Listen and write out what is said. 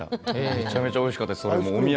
めちゃめちゃおいしかったです。